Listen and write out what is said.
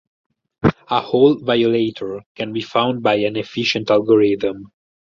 A Hall violator can be found by an efficient algorithm.